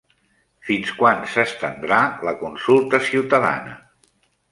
Fins quan s'estendrà la consulta ciutadana?